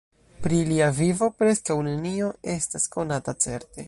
Pri lia vivo preskaŭ nenio estas konata certe.